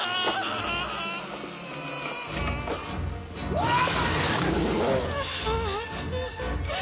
うわっ‼あ‼